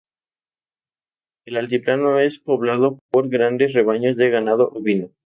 El altiplano es poblado por grandes rebaños de ganado ovino.